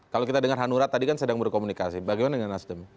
kalau kita dengar hanurat tadi kan sedang berkomunikasi bagaimana dengan nasdem